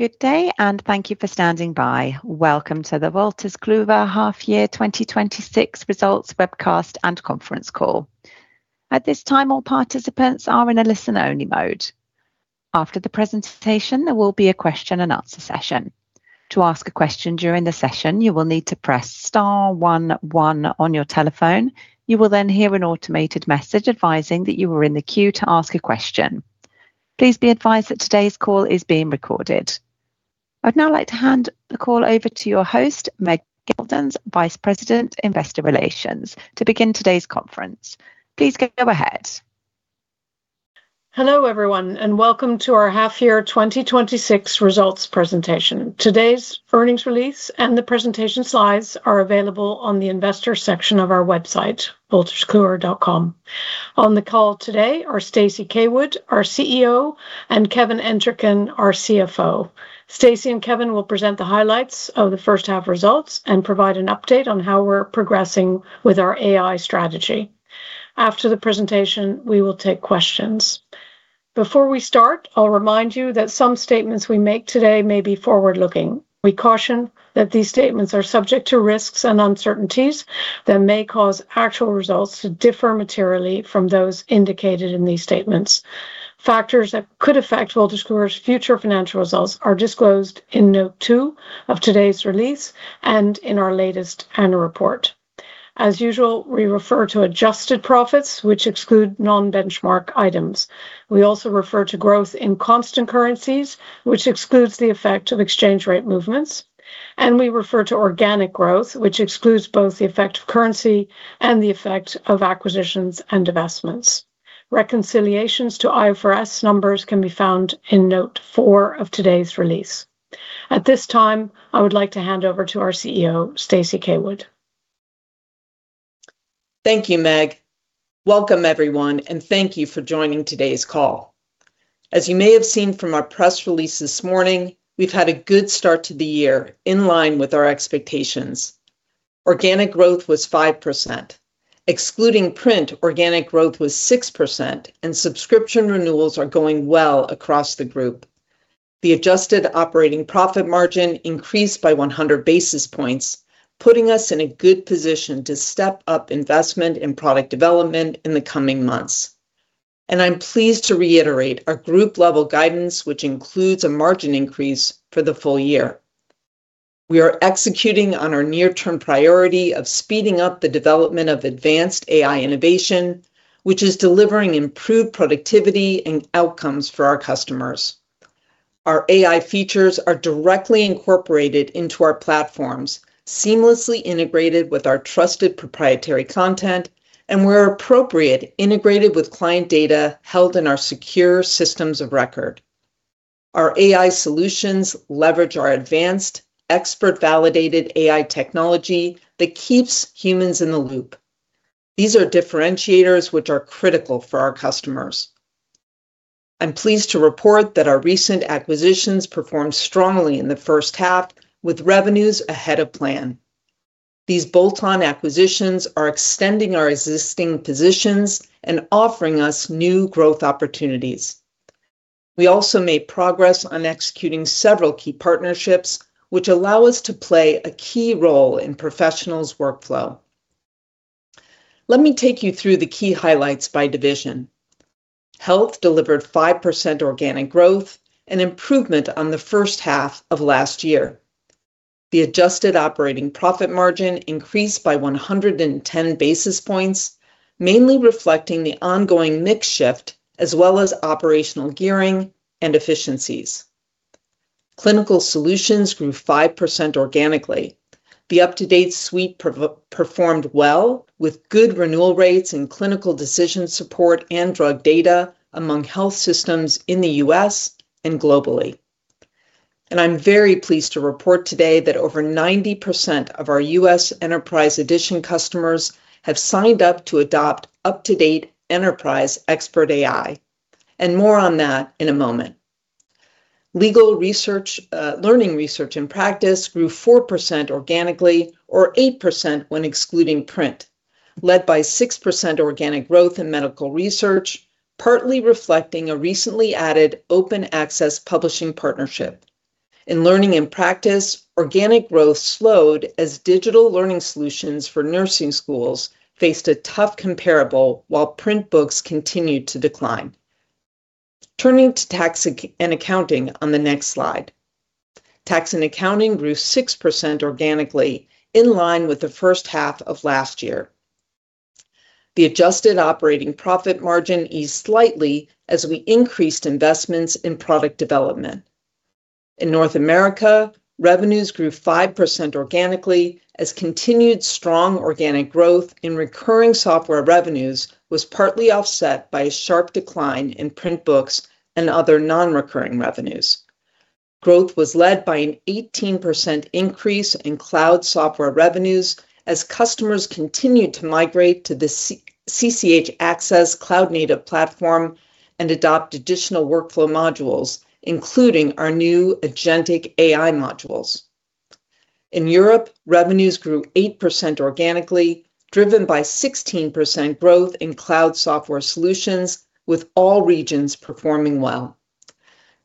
Good day, thank you for standing by. Welcome to the Wolters Kluwer Half Year 2026 Results Webcast and Conference Call. At this time, all participants are in a listen-only mode. After the presentation, there will be a question and answer session. To ask a question during the session, you will need to press star one one on your telephone. You will hear an automated message advising that you are in the queue to ask a question. Please be advised that today's call is being recorded. I'd now like to hand the call over to your host, Meg Geldens, Vice President, Investor Relations, to begin today's conference. Please go ahead. Hello, everyone, welcome to our half year 2026 results presentation. Today's earnings release and the presentation slides are available on the investor section of our website, wolterskluwer.com. On the call today are Stacey Caywood, our CEO, and Kevin Entricken, our CFO. Stacey and Kevin will present the highlights of the first half results and provide an update on how we're progressing with our AI strategy. After the presentation, we will take questions. Before we start, I'll remind you that some statements we make today may be forward-looking. We caution that these statements are subject to risks and uncertainties that may cause actual results to differ materially from those indicated in these statements. Factors that could affect Wolters Kluwer's future financial results are disclosed in Note 2 of today's release and in our latest annual report. As usual, we refer to adjusted profits, which exclude non-benchmark items. We also refer to growth in constant currencies, which excludes the effect of exchange rate movements, we refer to organic growth, which excludes both the effect of currency and the effect of acquisitions and divestments. Reconciliations to IFRS numbers can be found in Note 4 of today's release. At this time, I would like to hand over to our CEO, Stacey Caywood. Thank you, Meg. Welcome everyone, thank you for joining today's call. As you may have seen from our press release this morning, we've had a good start to the year, in line with our expectations. Organic growth was 5%. Excluding print, organic growth was 6%, subscription renewals are going well across the group. The adjusted operating profit margin increased by 100 basis points, putting us in a good position to step up investment in product development in the coming months. I'm pleased to reiterate our group-level guidance, which includes a margin increase for the full year. We are executing on our near-term priority of speeding up the development of advanced AI innovation, which is delivering improved productivity and outcomes for our customers. Our AI features are directly incorporated into our platforms, seamlessly integrated with our trusted proprietary content, and where appropriate, integrated with client data held in our secure systems of record. Our AI solutions leverage our advanced expert-validated AI technology that keeps humans in the loop. These are differentiators which are critical for our customers. I'm pleased to report that our recent acquisitions performed strongly in the first half, with revenues ahead of plan. These bolt-on acquisitions are extending our existing positions and offering us new growth opportunities. We also made progress on executing several key partnerships, which allow us to play a key role in professionals' workflow. Let me take you through the key highlights by division. Health delivered 5% organic growth, an improvement on the first half of last year. The adjusted operating profit margin increased by 110 basis points, mainly reflecting the ongoing mix shift as well as operational gearing and efficiencies. Clinical Solutions grew 5% organically. The UpToDate suite performed well with good renewal rates in clinical decision support and drug data among health systems in the U.S. and globally. I'm very pleased to report today that over 90% of our U.S. Enterprise Edition customers have signed up to adopt UpToDate Enterprise Expert AI, and more on that in a moment. Learning Research and Practice grew 4% organically, or 8% when excluding print, led by 6% organic growth in medical research, partly reflecting a recently added open access publishing partnership. In Learning and Practice, organic growth slowed as digital learning solutions for nursing schools faced a tough comparable while print books continued to decline. Turning to Tax and Accounting on the next slide. Tax and Accounting grew 6% organically, in line with the first half of last year. The adjusted operating profit margin eased slightly as we increased investments in product development. In North America, revenues grew 5% organically as continued strong organic growth in recurring software revenues was partly offset by a sharp decline in print books and other non-recurring revenues. Growth was led by an 18% increase in cloud software revenues as customers continued to migrate to the CCH Axcess cloud-native platform and adopt additional workflow modules, including our new agentic AI modules. In Europe, revenues grew 8% organically, driven by 16% growth in cloud software solutions, with all regions performing well.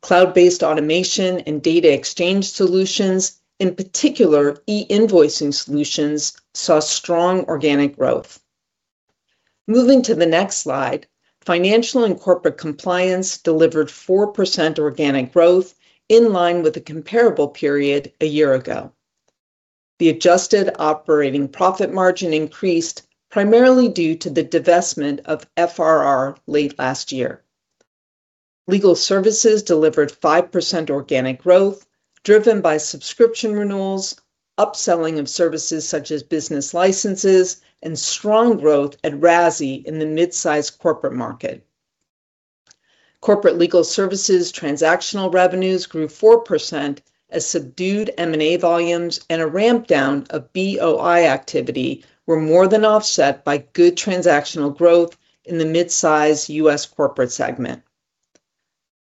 Cloud-based automation and data exchange solutions, in particular, e-invoicing solutions, saw strong organic growth. Moving to the next slide, Financial and Corporate Compliance delivered 4% organic growth in line with the comparable period a year ago. The adjusted operating profit margin increased primarily due to the divestment of FRR late last year. Legal services delivered 5% organic growth, driven by subscription renewals, upselling of services such as business licenses, and strong growth at RASi in the mid-size corporate market. Corporate legal services transactional revenues grew 4% as subdued M&A volumes and a ramp down of BOI activity were more than offset by good transactional growth in the mid-size U.S. corporate segment.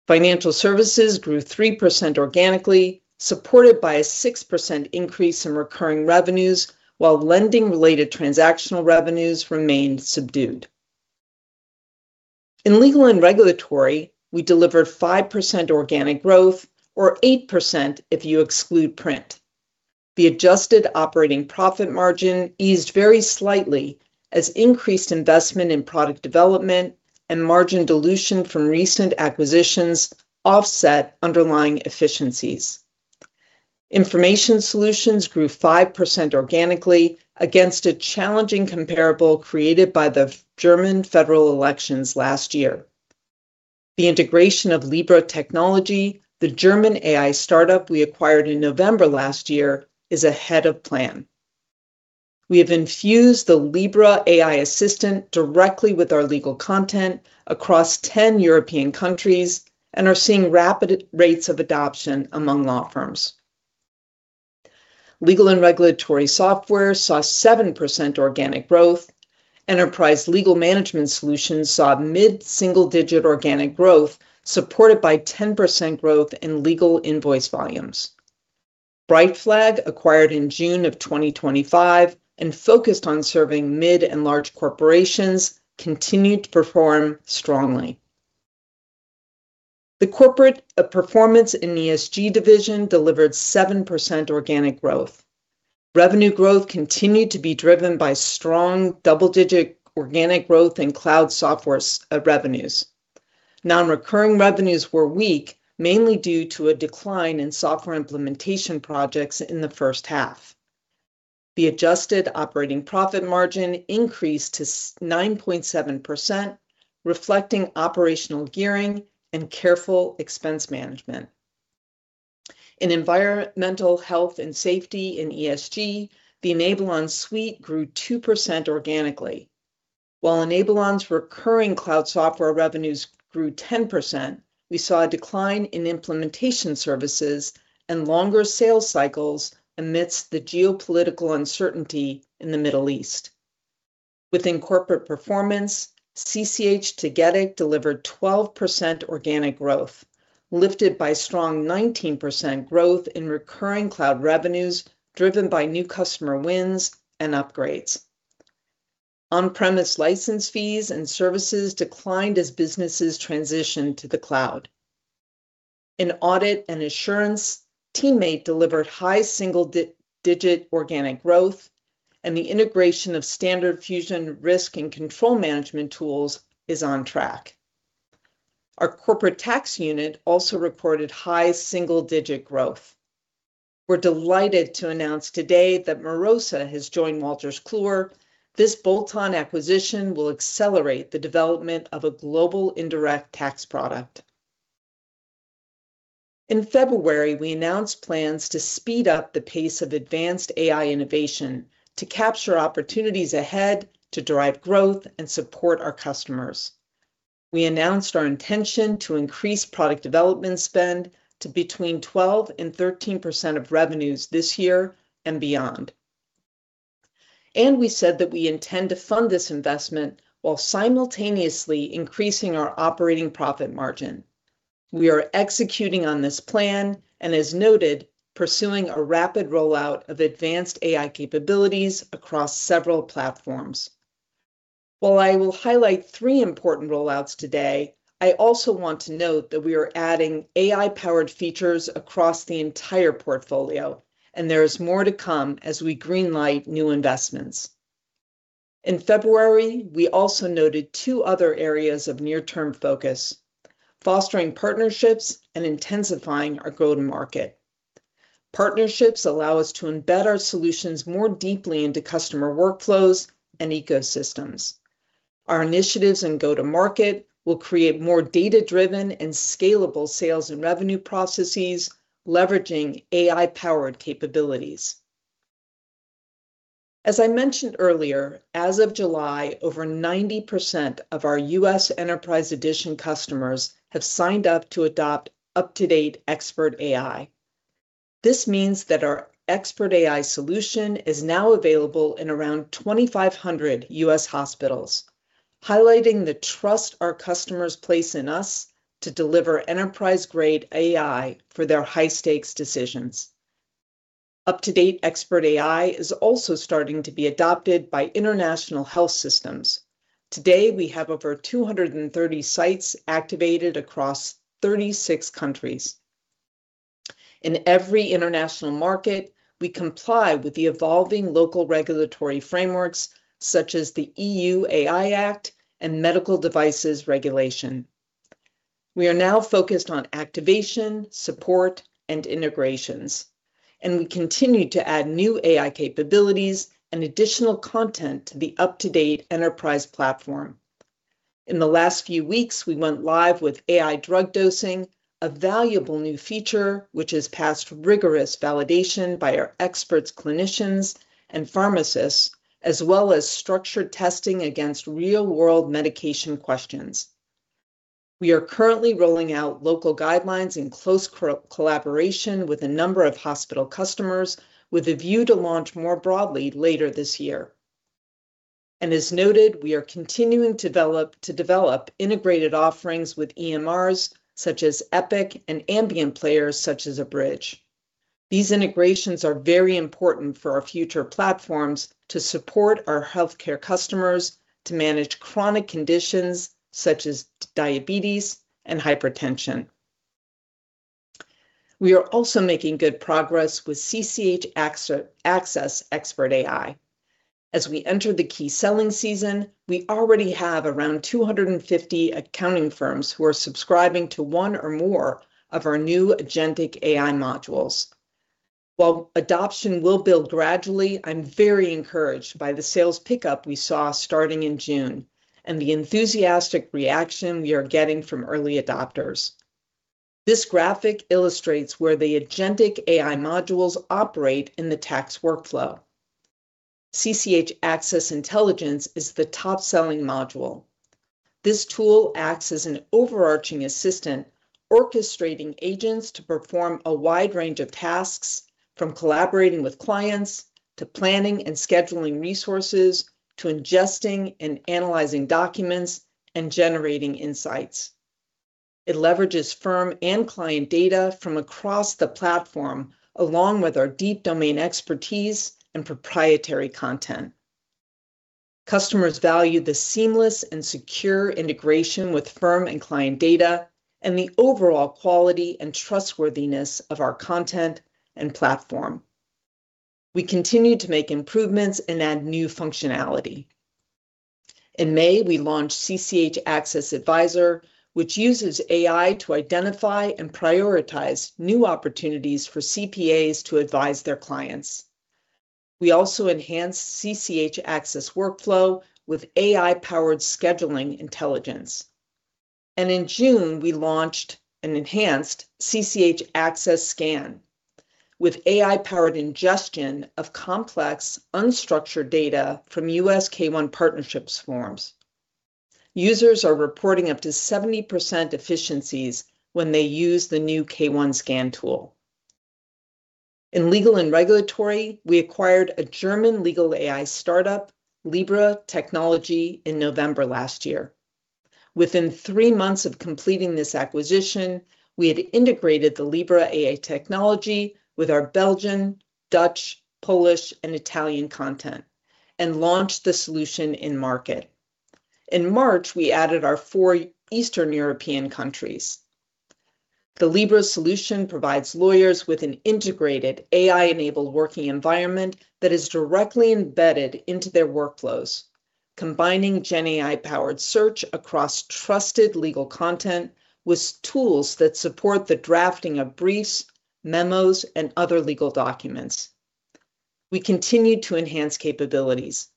Financial services grew 3% organically, supported by a 6% increase in recurring revenues, while lending-related transactional revenues remained subdued. In Legal and Regulatory, we delivered 5% organic growth or 8% if you exclude print. The adjusted operating profit margin eased very slightly as increased investment in product development and margin dilution from recent acquisitions offset underlying efficiencies. Information Solutions grew 5% organically against a challenging comparable created by the German federal elections last year. The integration of Libra Technology, the German AI startup we acquired in November last year, is ahead of plan. We have infused the Libra AI assistant directly with our legal content across 10 European countries and are seeing rapid rates of adoption among law firms. Legal and regulatory software saw 7% organic growth. Enterprise legal management solutions saw mid-single-digit organic growth supported by 10% growth in legal invoice volumes. Brightflag acquired in June of 2025 and focused on serving mid and large corporations, continued to perform strongly. The Corporate Performance & ESG division delivered 7% organic growth. Revenue growth continued to be driven by strong double-digit organic growth in cloud software revenues. Non-recurring revenues were weak, mainly due to a decline in software implementation projects in the first half. The adjusted operating profit margin increased to 9.7%, reflecting operational gearing and careful expense management. In environmental health and safety in ESG, the Enablon suite grew 2% organically. While Enablon's recurring cloud software revenues grew 10%, we saw a decline in implementation services and longer sales cycles amidst the geopolitical uncertainty in the Middle East. Within corporate performance, CCH Tagetik delivered 12% organic growth, lifted by strong 19% growth in recurring cloud revenues driven by new customer wins and upgrades. On-premise license fees and services declined as businesses transitioned to the cloud. In audit and assurance, TeamMate delivered high single-digit organic growth, and the integration of StandardFusion risk and control management tools is on track. Our corporate tax unit also reported high single-digit growth. We are delighted to announce today that Marosa has joined Wolters Kluwer. This bolt-on acquisition will accelerate the development of a global indirect tax product. In February, we announced plans to speed up the pace of advanced AI innovation to capture opportunities ahead to drive growth and support our customers. We announced our intention to increase product development spend to between 12% and 13% of revenues this year and beyond. We said that we intend to fund this investment while simultaneously increasing our operating profit margin. We are executing on this plan and, as noted, pursuing a rapid rollout of advanced AI capabilities across several platforms. While I will highlight three important rollouts today, I also want to note that we are adding AI-powered features across the entire portfolio, and there is more to come as we greenlight new investments. In February, we also noted two other areas of near-term focus, fostering partnerships and intensifying our go-to-market. Partnerships allow us to embed our solutions more deeply into customer workflows and ecosystems. Our initiatives in go-to-market will create more data-driven and scalable sales and revenue processes, leveraging AI-powered capabilities. As I mentioned earlier, as of July, over 90% of our U.S. Enterprise Edition customers have signed up to adopt UpToDate Expert AI. This means that our Expert AI solution is now available in around 2,500 U.S. hospitals, highlighting the trust our customers place in us to deliver enterprise-grade AI for their high-stakes decisions. UpToDate Expert AI is also starting to be adopted by international health systems. Today, we have over 230 sites activated across 36 countries. In every international market, we comply with the evolving local regulatory frameworks, such as the EU AI Act and Medical Device Regulation. We are now focused on activation, support, and integrations, and we continue to add new AI capabilities and additional content to the UpToDate enterprise platform. In the last few weeks, we went live with AI drug dosing, a valuable new feature which has passed rigorous validation by our experts, clinicians, and pharmacists, as well as structured testing against real-world medication questions. We are currently rolling out local guidelines in close collaboration with a number of hospital customers, with a view to launch more broadly later this year. As noted, we are continuing to develop integrated offerings with EMRs such as Epic and ambient players such as Abridge. These integrations are very important for our future platforms to support our healthcare customers to manage chronic conditions such as diabetes and hypertension. We are also making good progress with CCH Axcess Expert AI. As we enter the key selling season, we already have around 250 accounting firms who are subscribing to one or more of our new agentic AI modules. While adoption will build gradually, I'm very encouraged by the sales pickup we saw starting in June and the enthusiastic reaction we are getting from early adopters. This graphic illustrates where the agentic AI modules operate in the tax workflow. CCH Axcess Intelligence is the top-selling module. This tool acts as an overarching assistant, orchestrating agents to perform a wide range of tasks, from collaborating with clients, to planning and scheduling resources, to ingesting and analyzing documents, and generating insights. It leverages firm and client data from across the platform, along with our deep domain expertise and proprietary content. Customers value the seamless and secure integration with firm and client data and the overall quality and trustworthiness of our content and platform. We continue to make improvements and add new functionality. In May, we launched CCH Axcess Advisor, which uses AI to identify and prioritize new opportunities for CPAs to advise their clients. We also enhanced CCH Axcess Workflow with AI-powered scheduling intelligence. In June, we launched an enhanced CCH Axcess Scan with AI-powered ingestion of complex unstructured data from U.S. K-1 partnerships forms. Users are reporting up to 70% efficiencies when they use the new K-1 scan tool. In legal and regulatory, we acquired a German legal AI startup, Libra Technology, in November last year. Within three months of completing this acquisition, we had integrated the Libra AI technology with our Belgian, Dutch, Polish, and Italian content and launched the solution in-market. In March, we added our four Eastern European countries. The Libra solution provides lawyers with an integrated AI-enabled working environment that is directly embedded into their workflows, combining gen AI-powered search across trusted legal content with tools that support the drafting of briefs, memos, and other legal documents. We continued to enhance capabilities.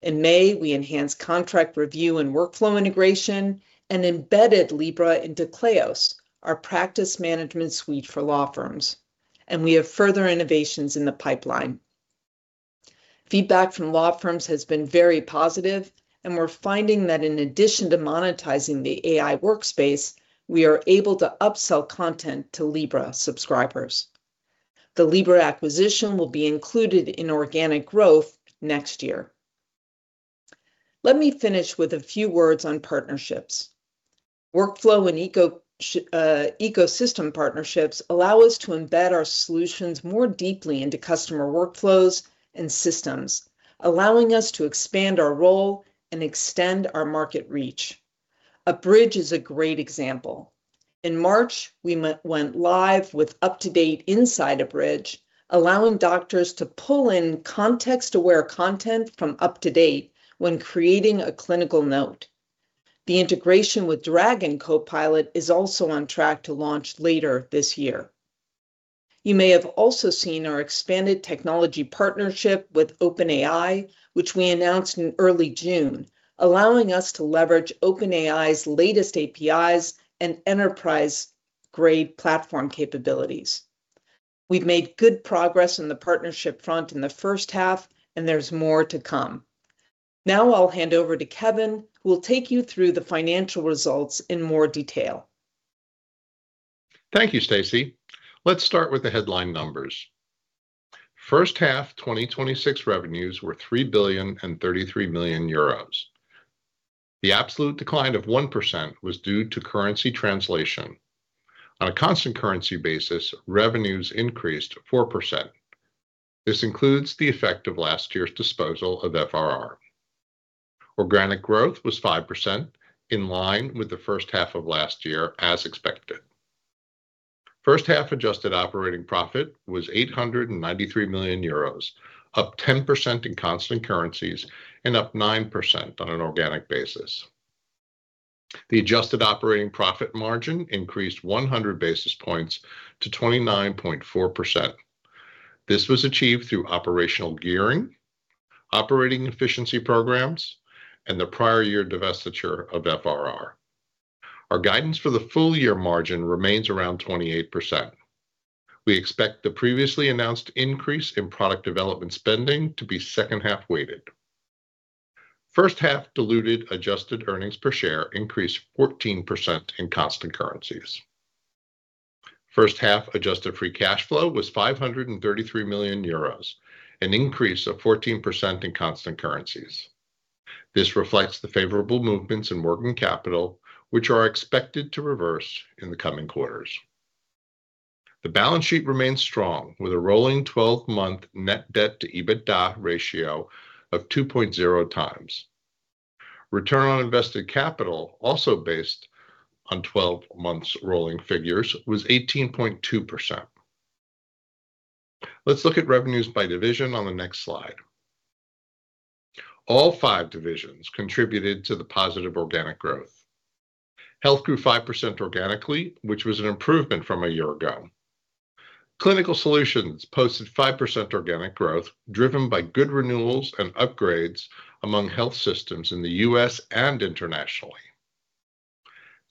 In May, we enhanced contract review and workflow integration and embedded Libra into Kleos, our practice management suite for law firms, and we have further innovations in the pipeline. Feedback from law firms has been very positive, and we're finding that in addition to monetizing the AI workspace, we are able to upsell content to Libra subscribers. The Libra acquisition will be included in organic growth next year. Let me finish with a few words on partnerships. Workflow and ecosystem partnerships allow us to embed our solutions more deeply into customer workflows and systems, allowing us to expand our role and extend our market reach. Abridge is a great example. In March, we went live with UpToDate inside Abridge, allowing doctors to pull in context-aware content from UpToDate when creating a clinical note. The integration with Dragon Copilot is also on track to launch later this year. You may have also seen our expanded technology partnership with OpenAI, which we announced in early June, allowing us to leverage OpenAI's latest APIs and enterprise-grade platform capabilities. We've made good progress on the partnership front in the first half, and there's more to come. I'll hand over to Kevin, who will take you through the financial results in more detail. Thank you, Stacey. Let's start with the headline numbers. First half 2026 revenues were 3.033 billion. The absolute decline of 1% was due to currency translation. On a constant currency basis, revenues increased 4%. This includes the effect of last year's disposal of FRR. Organic growth was 5%, in line with the first half of last year, as expected. First half adjusted operating profit was 893 million euros, up 10% in constant currencies and up 9% on an organic basis. The adjusted operating profit margin increased 100 basis points to 29.4%. This was achieved through operational gearing, operating efficiency programs, and the prior year divestiture of FRR. Our guidance for the full year margin remains around 28%. We expect the previously announced increase in product development spending to be second half weighted. First half diluted adjusted earnings per share increased 14% in constant currencies. First half adjusted free cash flow was 533 million euros, an increase of 14% in constant currencies. This reflects the favorable movements in working capital, which are expected to reverse in the coming quarters. The balance sheet remains strong, with a rolling 12-month net debt to EBITDA ratio of 2.0x. Return on invested capital, also based on 12 months rolling figures, was 18.2%. Let's look at revenues by division on the next slide. All five divisions contributed to the positive organic growth. Health grew 5% organically, which was an improvement from a year ago. Clinical Solutions posted 5% organic growth, driven by good renewals and upgrades among health systems in the U.S. and internationally.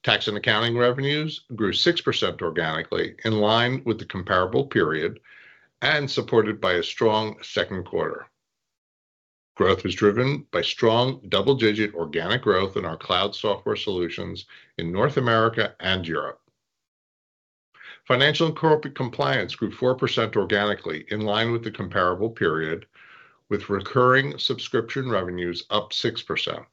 Tax & Accounting revenues grew 6% organically, in line with the comparable period, and supported by a strong second quarter. Growth was driven by strong double-digit organic growth in our cloud software solutions in North America and Europe. Financial & Corporate Compliance grew 4% organically, in line with the comparable period, with recurring subscription revenues up 6%.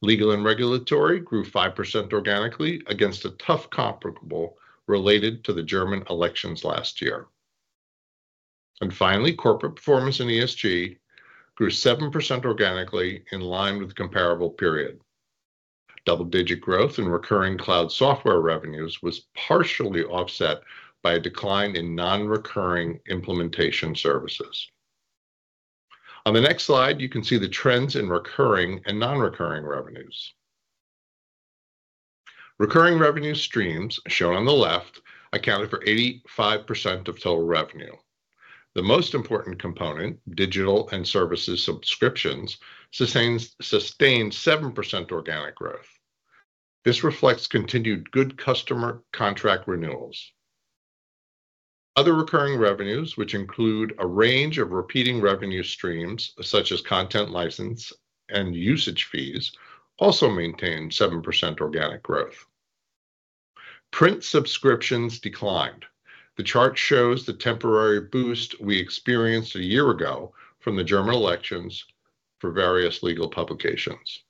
Legal & Regulatory grew 5% organically against a tough comparable related to the German elections last year. Finally, Corporate Performance & ESG grew 7% organically in line with comparable period. Double-digit growth in recurring cloud software revenues was partially offset by a decline in non-recurring implementation services. On the next slide, you can see the trends in recurring and non-recurring revenues. Recurring revenue streams, shown on the left, accounted for 85% of total revenue. The most important component, digital and services subscriptions, sustained 7% organic growth. This reflects continued good customer contract renewals. Other recurring revenues, which include a range of repeating revenue streams such as content license and usage fees, also maintained 7% organic growth. Print subscriptions declined. The chart shows the temporary boost we experienced a year ago from the German elections for various legal publications.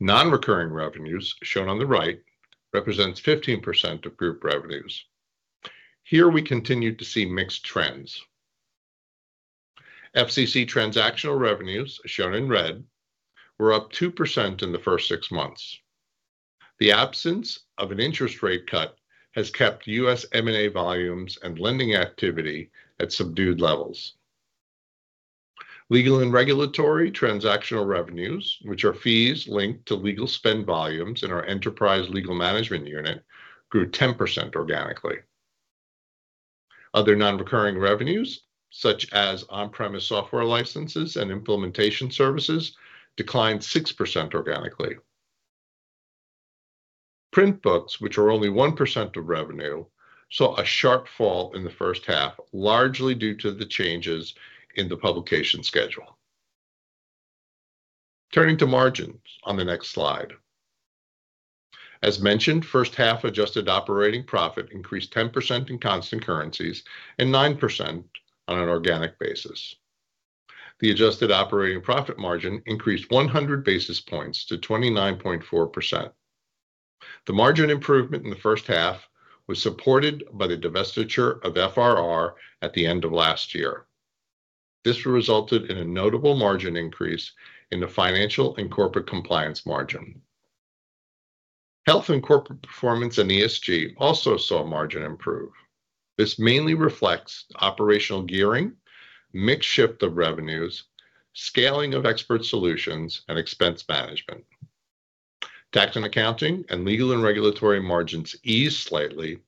Non-recurring revenues, shown on the right, represents 15% of group revenues. Here we continued to see mixed trends. FCC transactional revenues, shown in red, were up 2% in the first six months. The absence of an interest rate cut has kept U.S. M&A volumes and lending activity at subdued levels. Legal and regulatory transactional revenues, which are fees linked to legal spend volumes in our enterprise legal management unit, grew 10% organically. Other non-recurring revenues, such as on-premise software licenses and implementation services, declined 6% organically. Print books, which are only 1% of revenue, saw a sharp fall in the first half, largely due to the changes in the publication schedule. Turning to margins on the next slide. As mentioned, first half adjusted operating profit increased 10% in constant currencies and 9% on an organic basis. The adjusted operating profit margin increased 100 basis points to 29.4%. The margin improvement in the first half was supported by the divestiture of FRR at the end of last year. This resulted in a notable margin increase in the Financial & Corporate Compliance margin. Health and Corporate Performance & ESG also saw margin improve. This mainly reflects operational gearing, mix shift of revenues, scaling of expert solutions, and expense management. Tax and accounting and legal and regulatory margins eased slightly,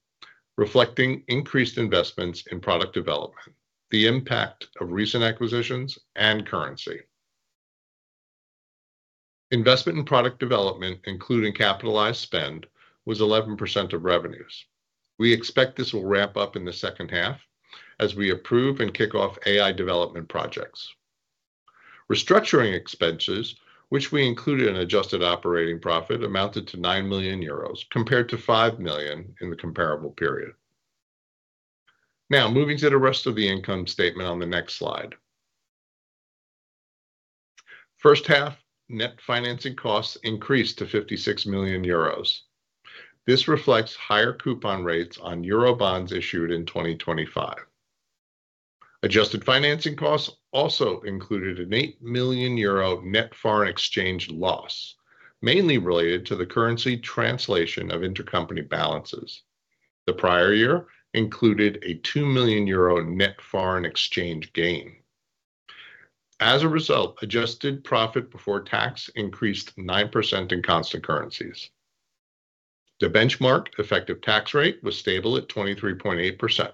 reflecting increased investments in product development, the impact of recent acquisitions, and currency. Investment in product development, including capitalized spend, was 11% of revenues. We expect this will wrap up in the second half as we approve and kick off AI development projects. Restructuring expenses, which we include in adjusted operating profit, amounted to 9 million euros, compared to 5 million in the comparable period. Moving to the rest of the income statement on the next slide. First half net financing costs increased to 56 million euros. This reflects higher coupon rates on Eurobond issued in 2025. Adjusted financing costs also included an 8 million euro net foreign exchange loss, mainly related to the currency translation of intercompany balances. The prior year included an 2 million euro net foreign exchange gain. As a result, adjusted profit before tax increased 9% in constant currencies. The benchmark effective tax rate was stable at 23.8%.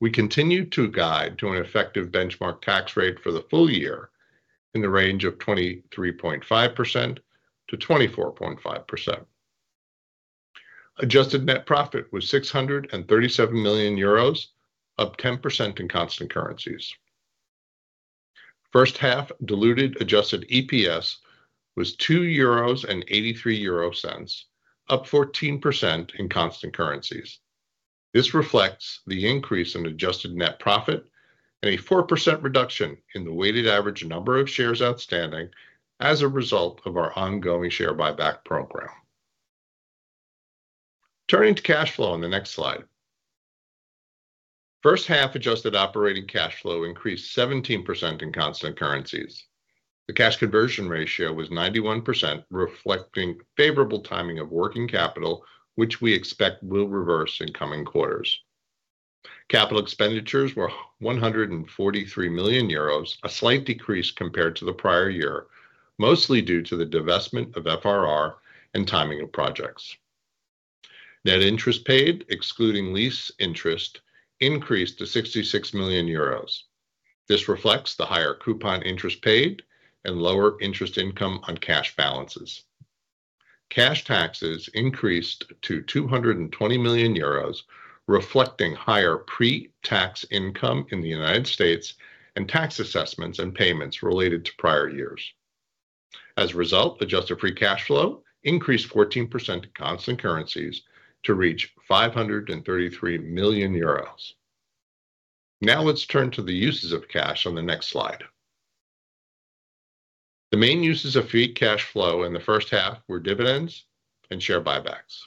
We continue to guide to an effective benchmark tax rate for the full year in the range of 23.5%-24.5%. Adjusted net profit was 637 million euros, up 10% in constant currencies. First half diluted adjusted EPS was 2.83 euros, up 14% in constant currencies. This reflects the increase in adjusted net profit and a 4% reduction in the weighted average number of shares outstanding as a result of our ongoing share buyback program. Turning to cash flow in the next slide. First half adjusted operating cash flow increased 17% in constant currencies. The cash conversion ratio was 91%, reflecting favorable timing of working capital, which we expect will reverse in coming quarters. Capital expenditures were 143 million euros, a slight decrease compared to the prior year, mostly due to the divestment of FRR and timing of projects. Net interest paid, excluding lease interest, increased to 66 million euros. This reflects the higher coupon interest paid and lower interest income on cash balances. Cash taxes increased to 220 million euros, reflecting higher pre-tax income in the United States and tax assessments and payments related to prior years. As a result, adjusted free cash flow increased 14% in constant currencies to reach 533 million euros. Let's turn to the uses of cash on the next slide. The main uses of free cash flow in the first half were dividends and share buybacks.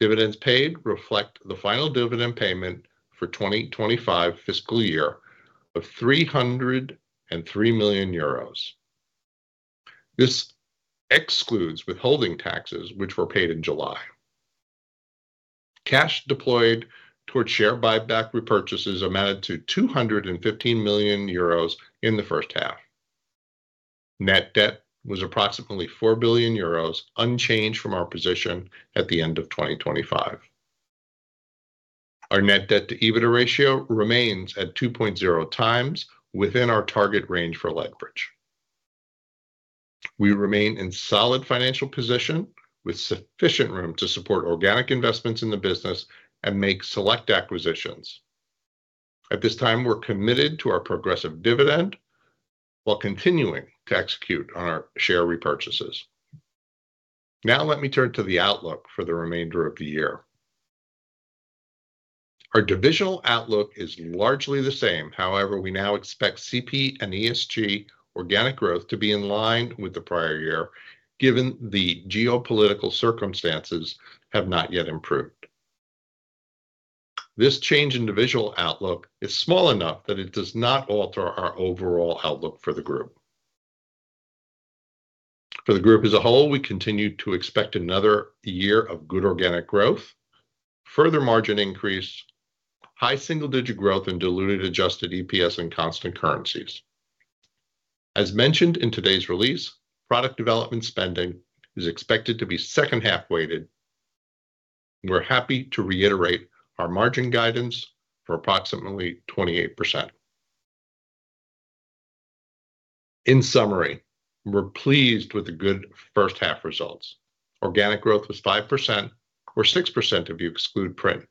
Dividends paid reflect the final dividend payment for 2025 fiscal year of 303 million euros. This excludes withholding taxes, which were paid in July. Cash deployed towards share buyback repurchases amounted to 215 million euros in the first half. Net debt was approximately 4 billion euros, unchanged from our position at the end of 2025. Our net debt-to-EBITDA ratio remains at 2.0x within our target range for leverage. We remain in solid financial position, with sufficient room to support organic investments in the business and make select acquisitions. At this time, we're committed to our progressive dividend while continuing to execute on our share repurchases. Let me turn to the outlook for the remainder of the year. Our divisional outlook is largely the same. We now expect CP & ESG organic growth to be in line with the prior year, given the geopolitical circumstances have not yet improved. This change in divisional outlook is small enough that it does not alter our overall outlook for the group. The group as a whole, we continue to expect another year of good organic growth, further margin increase, high single-digit growth in diluted adjusted EPS and constant currencies. As mentioned in today's release, product development spending is expected to be second half weighted. We're happy to reiterate our margin guidance for approximately 28%. We're pleased with the good first half results. Organic growth was 5%, or 6% if you exclude print.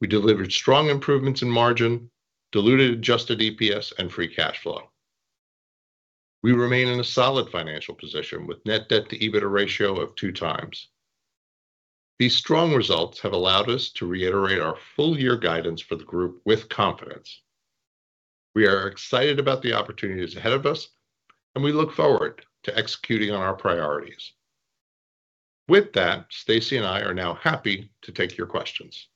We delivered strong improvements in margin, diluted adjusted EPS, and free cash flow. We remain in a solid financial position with net debt to EBITDA ratio of 2x. These strong results have allowed us to reiterate our full year guidance for the group with confidence. We are excited about the opportunities ahead of us, and we look forward to executing on our priorities. With that, Stacey and I are now happy to take your questions.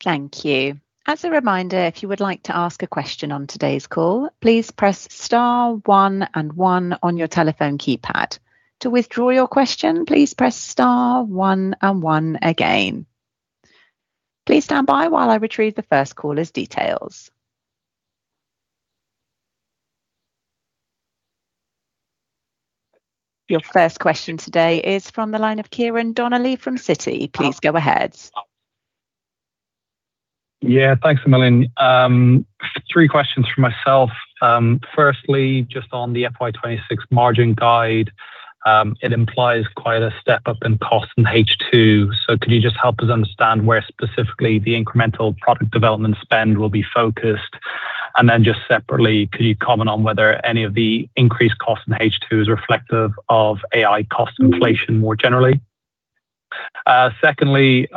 Thank you. If you would like to ask a question on today's call, please press star one and one on your telephone keypad. To withdraw your question, please press star one and one again. Please stand by while I retrieve the first caller's details. Your first question today is from the line of Ciaran Donnelly from Citi. Please go ahead Yeah. Thanks a million. Three questions from myself. Firstly, just on the FY 2026 margin guide, it implies quite a step-up in cost in H2. Could you just help us understand where specifically the incremental product development spend will be focused? Just separately, could you comment on whether any of the increased cost in H2 is reflective of AI cost inflation more generally? Secondly,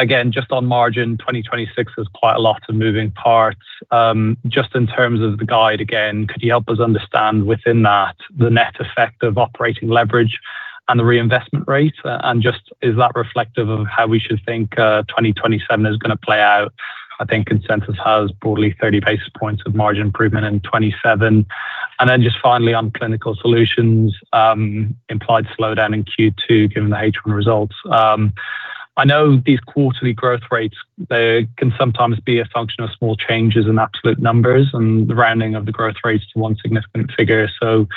again, just on margin 2026, there is quite a lot of moving parts. Just in terms of the guide again, could you help us understand within that, the net effect of operating leverage and the reinvestment rate, and just is that reflective of how we should think 2027 is going to play out? I think consensus has broadly 30 basis points of margin improvement in 2027. Just finally on Clinical Solutions, implied slowdown in Q2 given the H1 results. I know these quarterly growth rates can sometimes be a function of small changes in absolute numbers and the rounding of the growth rates to one significant figure. Can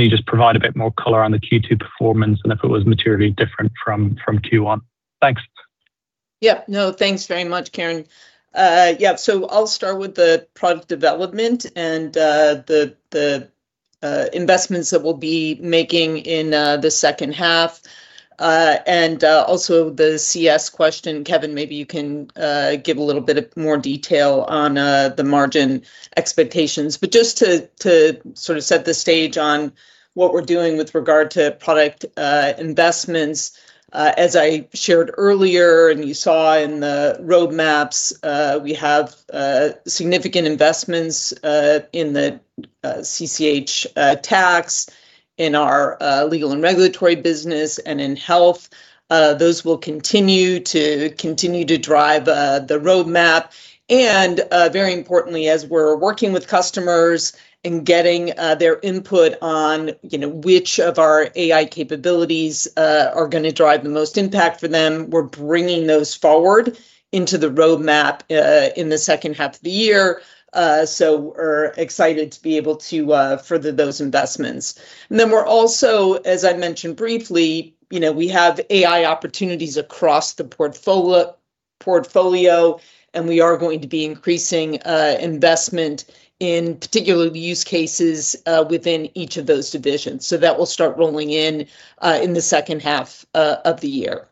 you just provide a bit more color on the Q2 performance and if it was materially different from Q1? Thanks. Yeah. No, thanks very much, Ciaran. Yeah. I will start with the product development and the investments that we will be making in the second half. Also the CS question, Kevin, maybe you can give a little bit of more detail on the margin expectations. Just to sort of set the stage on what we are doing with regard to product investments. As I shared earlier, you saw in the roadmaps, we have significant investments in the CCH Tax, in our legal and regulatory business, and in health. Those will continue to drive the roadmap, very importantly, as we are working with customers and getting their input on which of our AI capabilities are going to drive the most impact for them, we are bringing those forward into the roadmap in the second half of the year. We are excited to be able to further those investments. We are also, as I mentioned briefly, we have AI opportunities across the portfolio, we are going to be increasing investment in particular use cases within each of those divisions. That will start rolling in the second half of the year.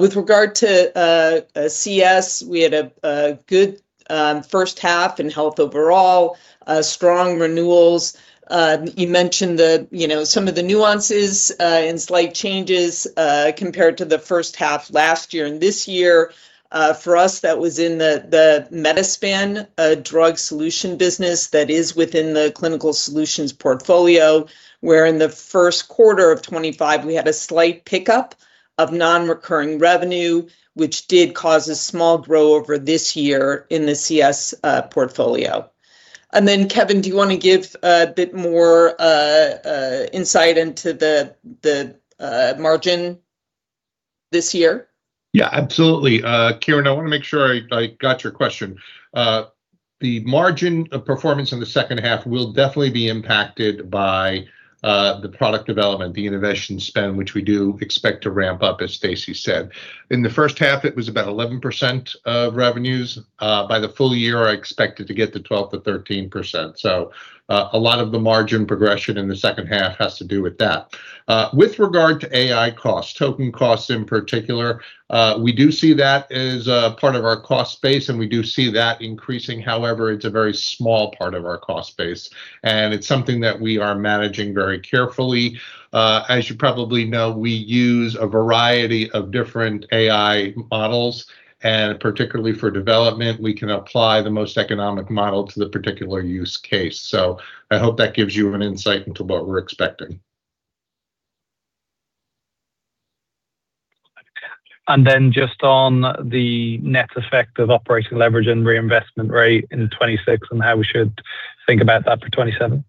With regard to CS, we had a good first half in health overall, strong renewals. You mentioned some of the nuances and slight changes compared to the first half last year and this year. For us, that was in the Medi-Span Drug Solution business that is within the Clinical Solutions portfolio, where in the first quarter of 2025 we had a slight pickup of non-recurring revenue, which did cause a small grow over this year in the CS portfolio. Kevin, do you want to give a bit more insight into the margin this year? Yeah, absolutely. Ciaran, I want to make sure I got your question. The margin of performance in the second half will definitely be impacted by the product development, the innovation spend, which we do expect to ramp up, as Stacey said. In the first half, it was about 11% of revenues. By the full year, I expect it to get to 12%-13%. A lot of the margin progression in the second half has to do with that. With regard to AI costs, token costs in particular, we do see that as a part of our cost base, and we do see that increasing. However, it's a very small part of our cost base, and it's something that we are managing very carefully. As you probably know, we use a variety of different AI models, and particularly for development, we can apply the most economic model to the particular use case. I hope that gives you an insight into what we're expecting. Just on the net effect of operating leverage and reinvestment rate in 2026 and how we should think about that for 2027.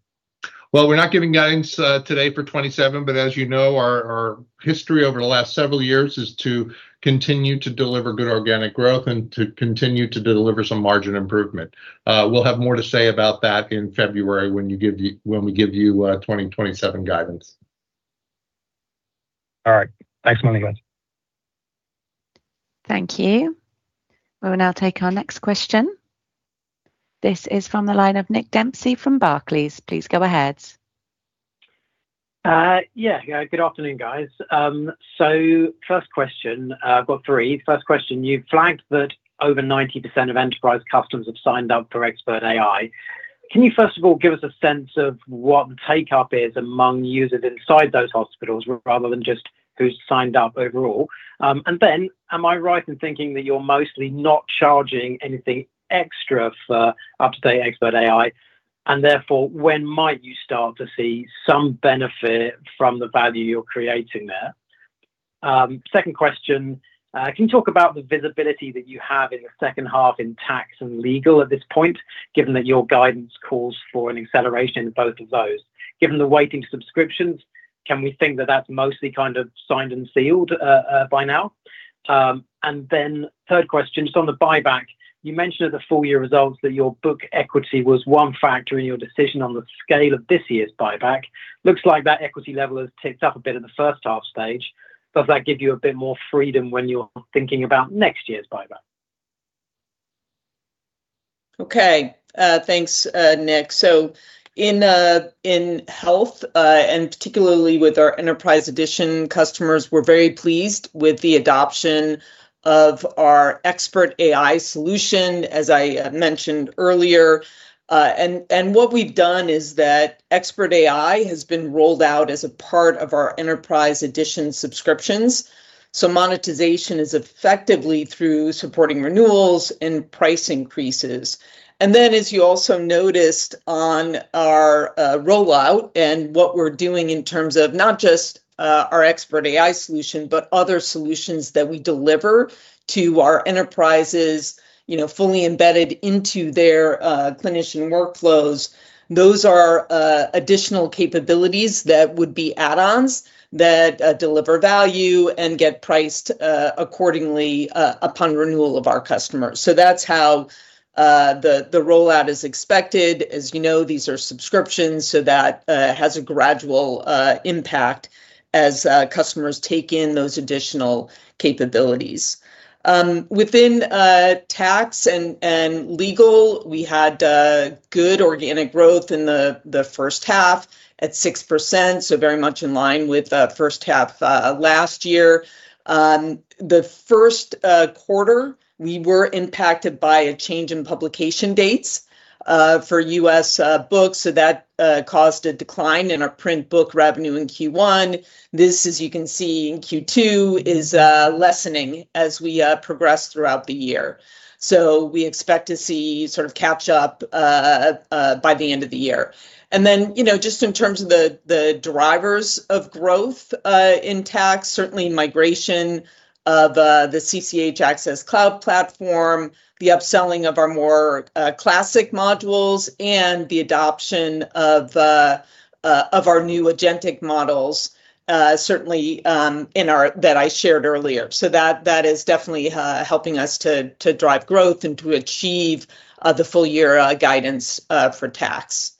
Well, we're not giving guidance today for 2027, as you know, our history over the last several years is to continue to deliver good organic growth and to continue to deliver some margin improvement. We'll have more to say about that in February when we give you 2027 guidance. All right. Thanks a million, guys. Thank you. We will now take our next question. This is from the line of Nick Dempsey from Barclays. Please go ahead. Good afternoon, guys. First question, I've got three. First question, you've flagged that over 90% of enterprise customers have signed up for Expert AI. Can you first of all give us a sense of what the take-up is among users inside those hospitals rather than just who's signed up overall? Am I right in thinking that you're mostly not charging anything extra for UpToDate Expert AI, and therefore, when might you start to see some benefit from the value you're creating there? Second question, can you talk about the visibility that you have in the second half in tax and legal at this point, given that your guidance calls for an acceleration in both of those? Given the weighting subscriptions, can we think that's mostly kind of signed and sealed by now? Third question, just on the buyback. You mentioned at the full-year results that your book equity was one factor in your decision on the scale of this year's buyback. Looks like that equity level has ticked up a bit in the first half stage. Does that give you a bit more freedom when you're thinking about next year's buyback? Thanks, Nick. In health, and particularly with our Enterprise Edition customers, we're very pleased with the adoption of our Expert AI solution, as I mentioned earlier. What we've done is that Expert AI has been rolled out as a part of our Enterprise Edition subscriptions. Monetization is effectively through supporting renewals and price increases. As you also noticed on our rollout and what we're doing in terms of not just our Expert AI solution, but other solutions that we deliver to our enterprises, fully embedded into their clinician workflows. Those are additional capabilities that would be add-ons that deliver value and get priced accordingly upon renewal of our customers. That's how the rollout is expected. As you know, these are subscriptions, that has a gradual impact as customers take in those additional capabilities. Within tax and legal, we had good organic growth in the first half at 6%, very much in line with the first half of last year. The first quarter, we were impacted by a change in publication dates for U.S. books, that caused a decline in our print book revenue in Q1. This, as you can see in Q2, is lessening as we progress throughout the year. We expect to see sort of catch up by the end of the year. Just in terms of the drivers of growth in tax, certainly migration of the CCH Axcess cloud platform, the upselling of our more classic modules, and the adoption of our new agentic models certainly that I shared earlier. That is definitely helping us to drive growth and to achieve the full year guidance for tax.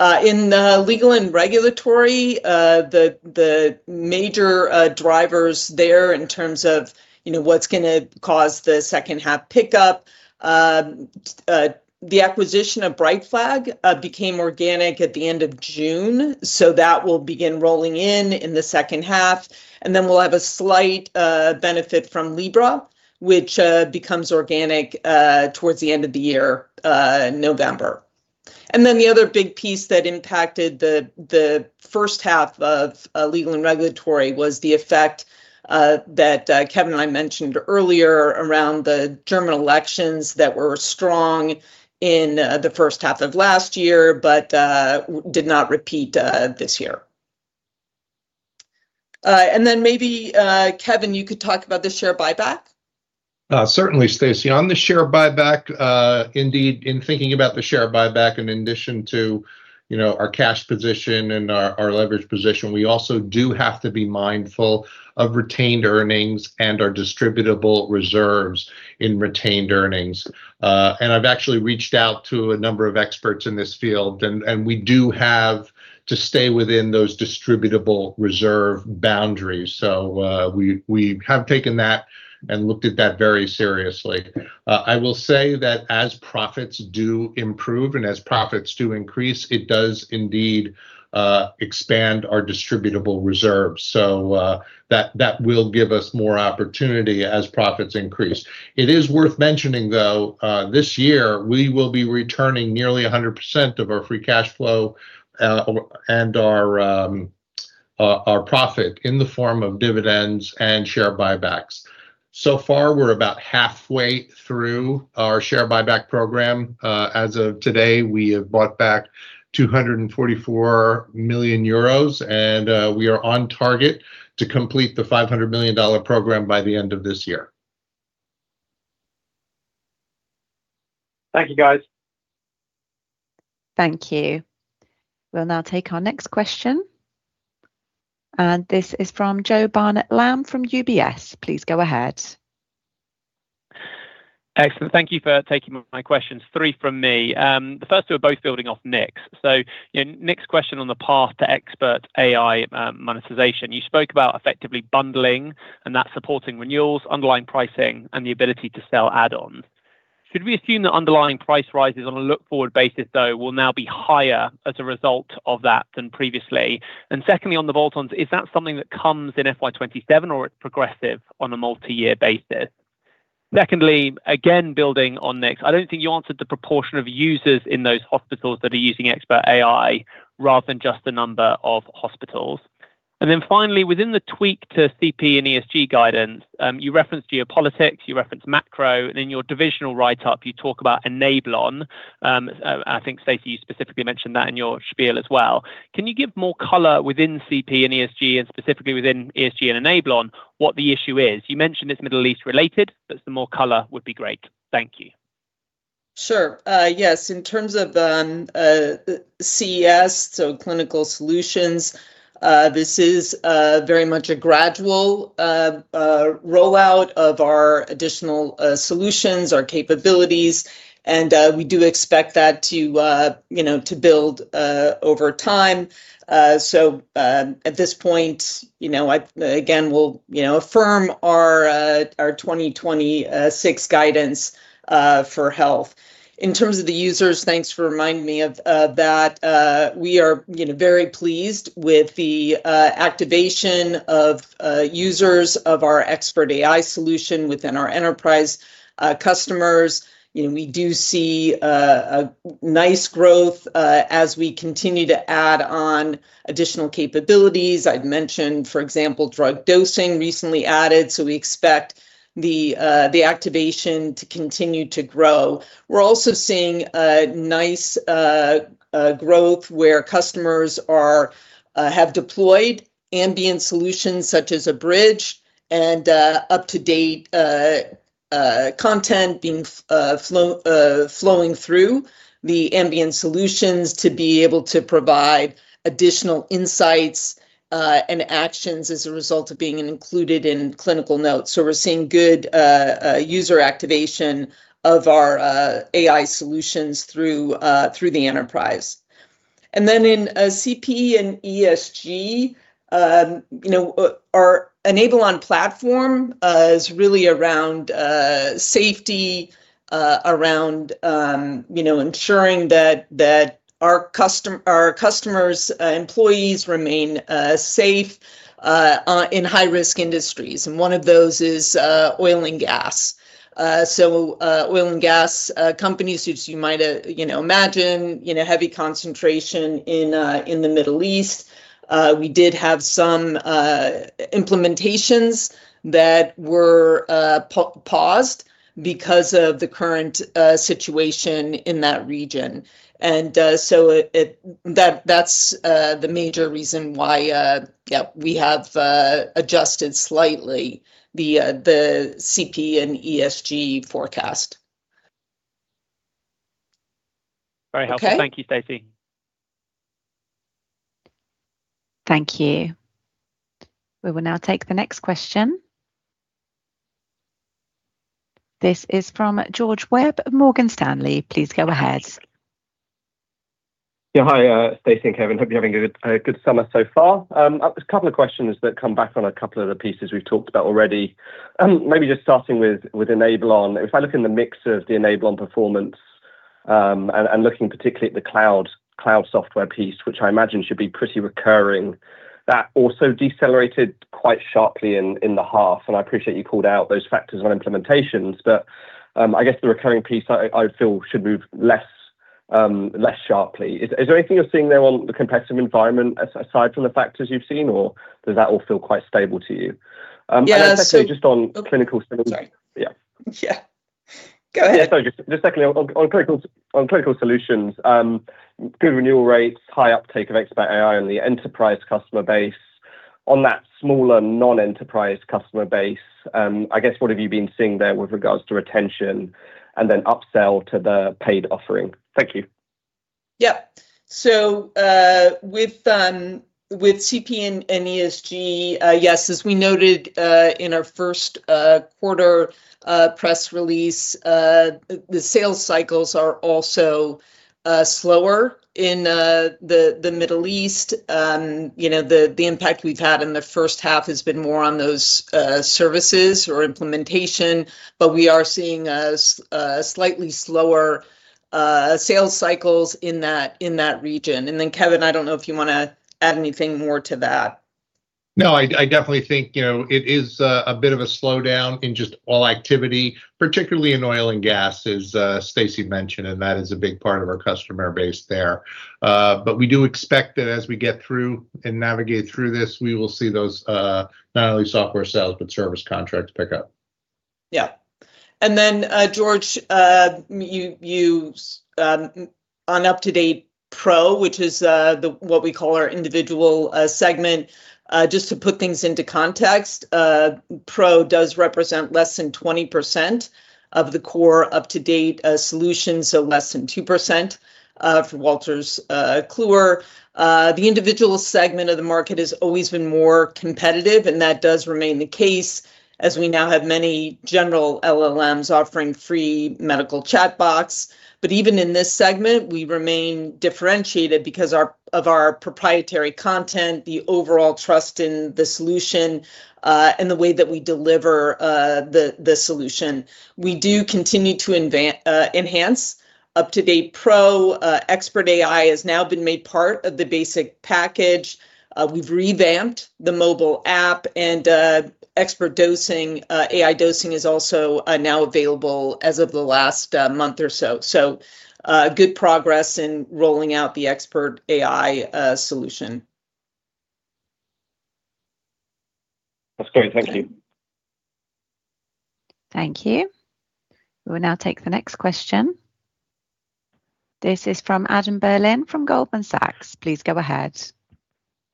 In legal and regulatory, the major drivers there in terms of what's going to cause the second half pickup. The acquisition of Brightflag became organic at the end of June, that will begin rolling in the second half. We'll have a slight benefit from Libra, which becomes organic towards the end of the year, November. The other big piece that impacted the first half of legal and regulatory was the effect that Kevin and I mentioned earlier around the German elections that were strong in the first half of last year but did not repeat this year. Maybe, Kevin, you could talk about the share buyback. Certainly, Stacey. On the share buyback, indeed, in thinking about the share buyback, in addition to our cash position and our leverage position, we also do have to be mindful of retained earnings and our distributable reserves in retained earnings. I've actually reached out to a number of experts in this field, we do have to stay within those distributable reserve boundaries. We have taken that and looked at that very seriously. I will say that as profits do improve and as profits do increase, it does indeed expand our distributable reserves, that will give us more opportunity as profits increase. It is worth mentioning, though, this year, we will be returning nearly 100% of our free cash flow and our profit in the form of dividends and share buybacks. We're about halfway through our share buyback program. As of today, we have bought back 244 million euros. We are on target to complete the $500 million program by the end of this year. Thank you, guys. Thank you. We'll now take our next question. This is from Joe Barnet-Lamb from UBS. Please go ahead. Excellent. Thank you for taking my questions. Three from me. The first two are both building off Nick. Nick's question on the path to Expert AI monetization. You spoke about effectively bundling and that supporting renewals, underlying pricing, and the ability to sell add-ons. Should we assume that underlying price rises on a look-forward basis, though, will now be higher as a result of that than previously? Secondly, on the bolt-ons, is that something that comes in FY 2027 or it's progressive on a multi-year basis? Secondly, again, building on Nick's, I don't think you answered the proportion of users in those hospitals that are using Expert AI rather than just the number of hospitals. Finally, within the tweak to CP & ESG guidance, you referenced geopolitics, you referenced macro, and in your divisional write-up you talk about Enablon. I think, Stacey, you specifically mentioned that in your spiel as well. Can you give more color within CP & ESG, and specifically within ESG and Enablon, what the issue is? You mentioned it's Middle East related, but some more color would be great. Thank you. Sure. Yes, in terms of CS, so Clinical Solutions, this is very much a gradual rollout of our additional solutions, our capabilities, and we do expect that to build over time. At this point, again, we'll affirm our 2026 guidance for health. In terms of the users, thanks for reminding me of that. We are very pleased with the activation of users of our Expert AI solution within our enterprise customers. We do see a nice growth as we continue to add on additional capabilities. I'd mentioned, for example, drug dosing recently added. We expect the activation to continue to grow. We're also seeing a nice growth where customers have deployed ambient solutions such as Abridge and UpToDate content flowing through the ambient solutions to be able to provide additional insights and actions as a result of being included in clinical notes. We're seeing good user activation of our AI solutions through the enterprise. In CP & ESG, our Enablon platform is really around safety, around ensuring that our customers' employees remain safe in high-risk industries, and one of those is oil and gas. Oil and gas companies, as you might imagine, heavy concentration in the Middle East. We did have some implementations that were paused because of the current situation in that region. That's the major reason why, yeah, we have adjusted slightly the CP & ESG forecast. Very helpful. Thank you, Stacey. Thank you. We will now take the next question. This is from George Webb of Morgan Stanley. Please go ahead. Yeah. Hi, Stacey and Kevin. Hope you're having a good summer so far. A couple of questions that come back on a couple of the pieces we've talked about already. Maybe just starting with Enablon. If I look in the mix of the Enablon performance, and looking particularly at the cloud software piece, which I imagine should be pretty recurring, that also decelerated quite sharply in the half, and I appreciate you called out those factors on implementations. I guess the recurring piece, I feel should move less sharply. Is there anything you're seeing there on the competitive environment aside from the factors you've seen, or does that all feel quite stable to you? Yeah. Secondly, just on clinical. Oh, sorry. Yeah. Yeah. Go ahead. Secondly, on Clinical Solutions, good renewal rates, high uptake of Expert AI on the enterprise customer base. On that smaller non-enterprise customer base, I guess what have you been seeing there with regards to retention and then upsell to the paid offering? Thank you. With CP & ESG, yes, as we noted in our first quarter press release, the sales cycles are also slower in the Middle East. The impact we've had in the first half has been more on those services or implementation, we are seeing slightly slower sales cycles in that region. Kevin, I don't know if you want to add anything more to that. No, I definitely think it is a bit of a slowdown in just all activity, particularly in oil and gas, as Stacey mentioned, that is a big part of our customer base there. We do expect that as we get through and navigate through this, we will see those not only software sales but service contracts pick up. George, on UpToDate Pro, which is what we call our individual segment, just to put things into context, Pro does represent less than 20% of the core UpToDate solution, so less than 2% of Wolters Kluwer. The individual segment of the market has always been more competitive, that does remain the case, as we now have many general LLMs offering free medical chat box. Even in this segment, we remain differentiated because of our proprietary content, the overall trust in the solution, and the way that we deliver the solution. We do continue to enhance UpToDate Pro. Expert AI has now been made part of the basic package. We've revamped the mobile app, and expert dosing, AI dosing is also now available as of the last month or so. Good progress in rolling out the Expert AI solution. That's great. Thank you. Thank you. We will now take the next question. This is from Adam Berlin from Goldman Sachs. Please go ahead.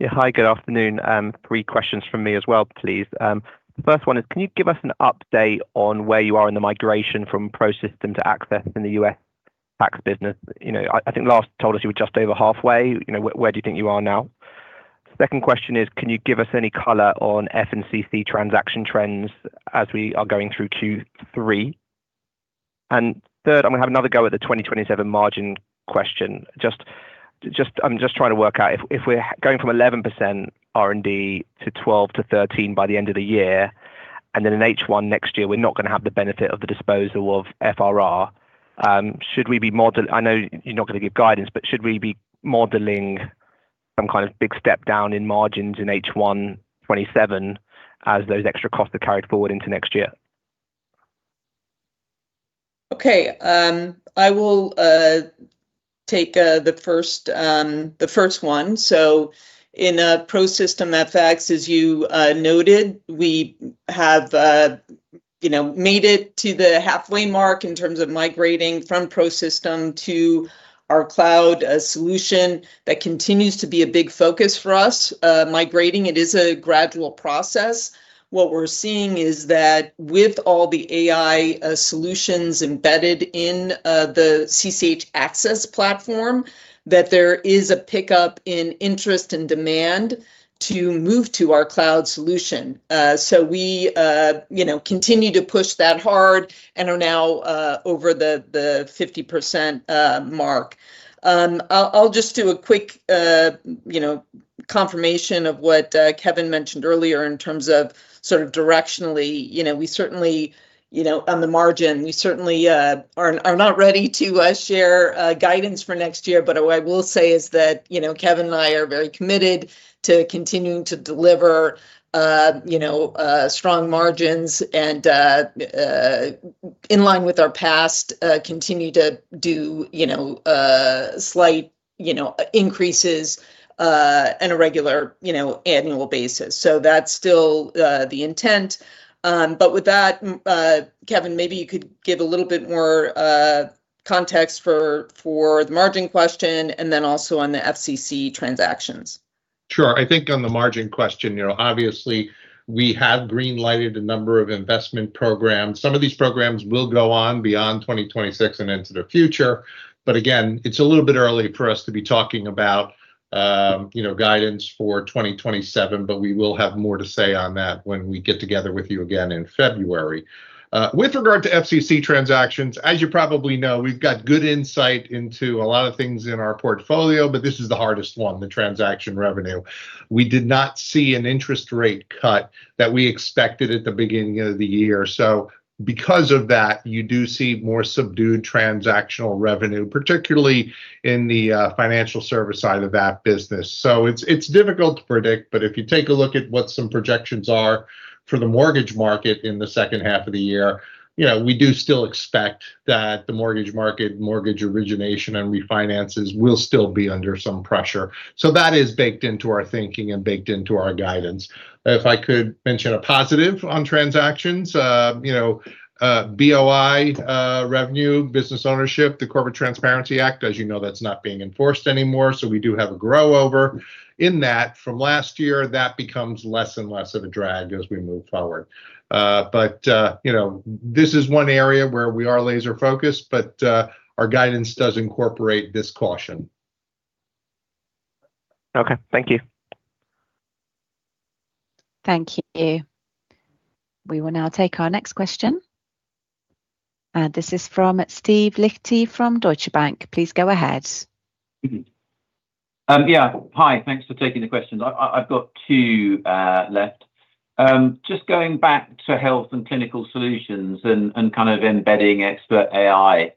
Yeah. Hi, good afternoon. Three questions from me as well, please. The first one is, can you give us an update on where you are in the migration from ProSystem to Axcess in the U.S. tax business? I think last you told us you were just over halfway. Where do you think you are now? Second question is, can you give us any color on FCC transaction trends as we are going through Q3? Third, I'm going to have another go at the 2027 margin question. I'm just trying to work out, if we're going from 11% R&D to 12%-13% by the end of the year, then in H1 next year, we're not going to have the benefit of the disposal of FRR. I know you're not going to give guidance, should we be modeling some kind of big step down in margins in H1 2027 as those extra costs are carried forward into next year? Okay. I will take the first one. In ProSystem fx, as you noted, we have made it to the halfway mark in terms of migrating from ProSystem to our cloud solution. That continues to be a big focus for us. Migrating it is a gradual process. What we're seeing is that with all the AI solutions embedded in the CCH Axcess platform, there is a pickup in interest and demand to move to our cloud solution. We continue to push that hard and are now over the 50% mark. I'll just do a quick confirmation of what Kevin mentioned earlier in terms of directionally. On the margin, we certainly are not ready to share guidance for next year. What I will say is that Kevin and I are very committed to continuing to deliver strong margins, and in line with our past, continue to do slight increases on a regular annual basis. That's still the intent. With that, Kevin, maybe you could give a little bit more context for the margin question, and then also on the FCC transactions. Sure. I think on the margin question, obviously we have green-lighted a number of investment programs. Some of these programs will go on beyond 2026 and into the future. Again, it's a little bit early for us to be talking about guidance for 2027. We will have more to say on that when we get together with you again in February. With regard to FCC transactions, as you probably know, we've got good insight into a lot of things in our portfolio, but this is the hardest one, the transaction revenue. We did not see an interest rate cut that we expected at the beginning of the year. Because of that, you do see more subdued transactional revenue, particularly in the financial service side of that business. It's difficult to predict, but if you take a look at what some projections are for the mortgage market in the second half of the year, we do still expect that the mortgage market, mortgage origination, and refinances will still be under some pressure. That is baked into our thinking and baked into our guidance. If I could mention a positive on transactions. BOI revenue, business ownership, the Corporate Transparency Act, as you know, that's not being enforced anymore. We do have a grow over in that from last year. That becomes less and less of a drag as we move forward. This is one area where we are laser-focused, but our guidance does incorporate this caution. Okay. Thank you. Thank you. We will now take our next question, and this is from Steve Liechti from Deutsche Bank. Please go ahead. Yeah. Hi. Thanks for taking the questions. I've got two left. Just going back to Health and Clinical Solutions and kind of embedding Expert AI.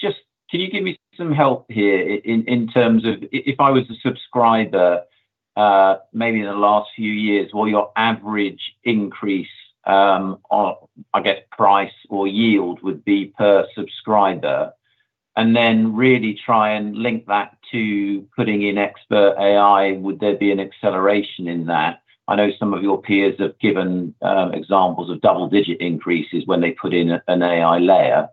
Just can you give me some help here in terms of if I was a subscriber maybe in the last few years, what your average increase on, I guess, price or yield would be per subscriber? Really try and link that to putting in Expert AI. Would there be an acceleration in that? I know some of your peers have given examples of double-digit increases when they put in an AI layer.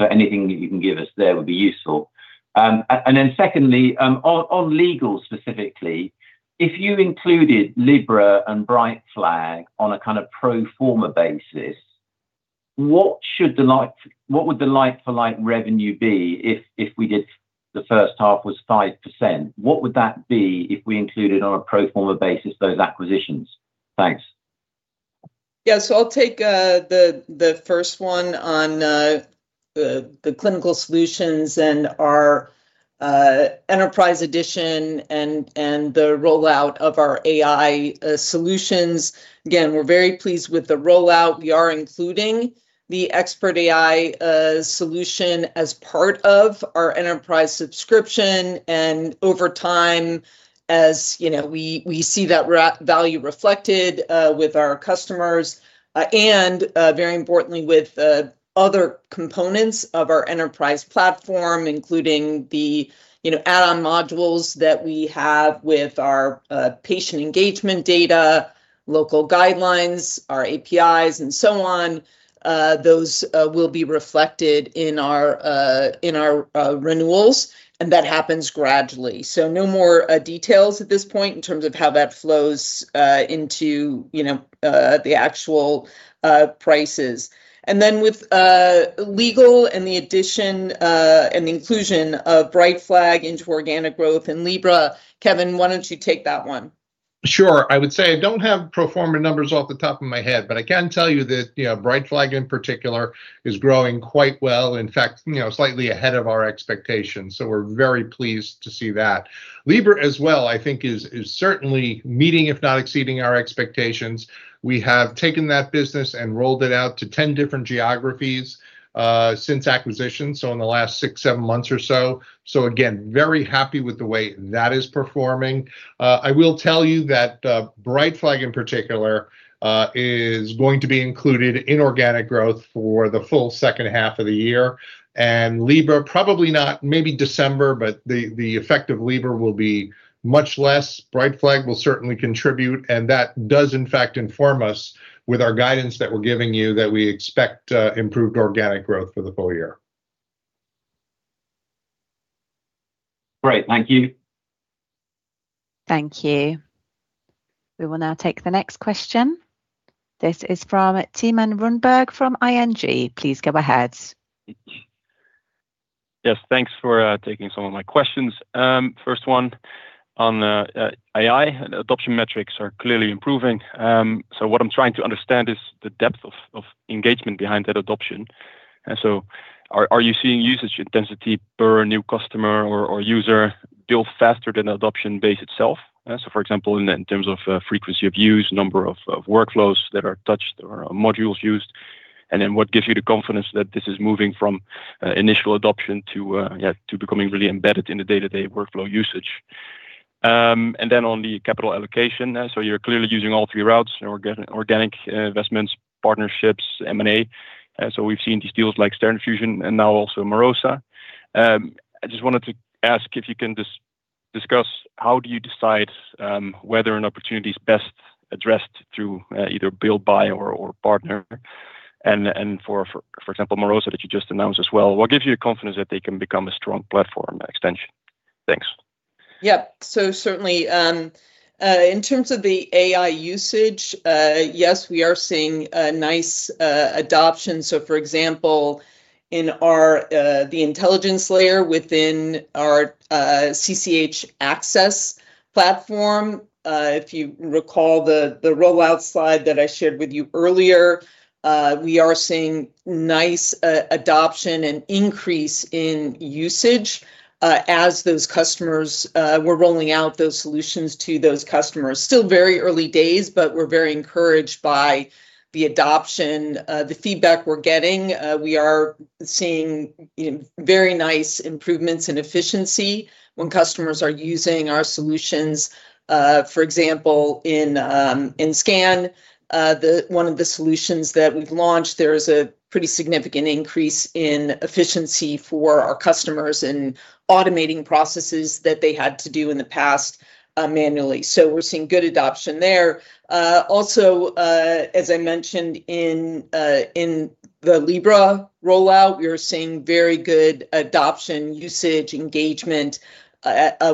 Anything you can give us there would be useful. Secondly, on Legal specifically, if you included Libra and Brightflag on a kind of pro forma basis, what would the like-for-like revenue be if the first half was 5%? What would that be if we included on a pro forma basis those acquisitions? Thanks. Yeah. I'll take the first one on the Clinical Solutions and our Enterprise Edition and the rollout of our AI solutions. Again, we're very pleased with the rollout. We are including the Expert AI solution as part of our enterprise subscription, and over time, as we see that value reflected with our customers and very importantly with other components of our enterprise platform, including the add-on modules that we have with our patient engagement data Local guidelines, our APIs and so on, those will be reflected in our renewals, and that happens gradually. No more details at this point in terms of how that flows into the actual prices. With Legal and the addition and inclusion of Brightflag into organic growth and Libra, Kevin, why don't you take that one? Sure. I would say I don't have pro forma numbers off the top of my head, but I can tell you that Brightflag in particular is growing quite well, in fact, slightly ahead of our expectations. We're very pleased to see that. Libra as well, I think is certainly meeting, if not exceeding our expectations. We have taken that business and rolled it out to 10 different geographies since acquisition, in the last six, seven months or so. Again, very happy with the way that is performing. I will tell you that Brightflag in particular is going to be included in organic growth for the full second half of the year, and Libra probably not, maybe December, but the effect of Libra will be much less. Brightflag will certainly contribute, that does in fact inform us with our guidance that we're giving you, that we expect improved organic growth for the full year. Great. Thank you. Thank you. We will now take the next question. This is from Thymen Rundberg from ING. Please go ahead. Yes, thanks for taking some of my questions. First one on AI. Adoption metrics are clearly improving. What I'm trying to understand is the depth of engagement behind that adoption. Are you seeing usage intensity per new customer or user build faster than adoption base itself? For example, in terms of frequency of use, number of workflows that are touched or modules used, what gives you the confidence that this is moving from initial adoption to becoming really embedded in the day-to-day workflow usage? On the capital allocation, you're clearly using all three routes, organic investments, partnerships, M&A. We've seen these deals like StandardFusion and now also Marosa. I just wanted to ask if you can discuss how do you decide whether an opportunity is best addressed through either build, buy or partner? For example, Marosa, that you just announced as well, what gives you confidence that they can become a strong platform extension? Thanks. Certainly, in terms of the AI usage, yes, we are seeing a nice adoption. For example, in the intelligence layer within our CCH Axcess platform, if you recall the rollout slide that I shared with you earlier, we are seeing nice adoption and increase in usage as we're rolling out those solutions to those customers. Still very early days, but we're very encouraged by the adoption, the feedback we're getting. We are seeing very nice improvements in efficiency when customers are using our solutions. For example, in Scan, one of the solutions that we've launched, there is a pretty significant increase in efficiency for our customers in automating processes that they had to do in the past manually. We're seeing good adoption there. Also, as I mentioned in the Libra rollout, we are seeing very good adoption, usage, engagement,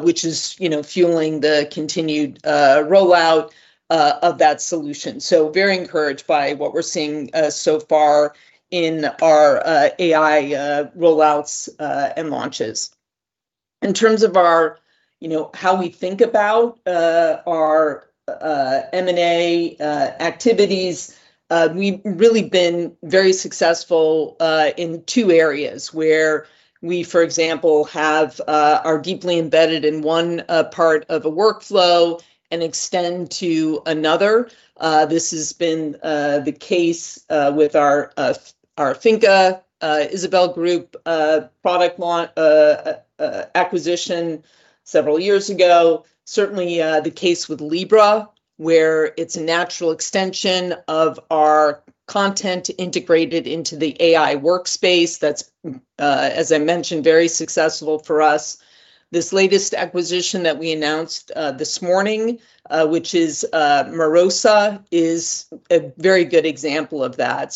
which is fueling the continued rollout of that solution. Very encouraged by what we're seeing so far in our AI rollouts and launches. In terms of how we think about our M&A activities, we've really been very successful in two areas where we, for example, are deeply embedded in one part of a workflow and extend to another. This has been the case with our FINCA, Isabel Group product acquisition several years ago. Certainly the case with Libra, where it's a natural extension of our content integrated into the AI workspace. That's, as I mentioned, very successful for us. This latest acquisition that we announced this morning, which is Marosa, is a very good example of that.